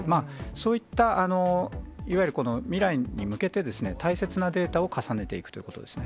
そういった、いわゆる未来に向けて、大切なデータを重ねていくということですね。